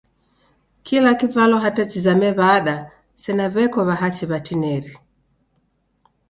Kila kivalwa hata chizame w'ada sena w'eko w'ahachi w'atinieri.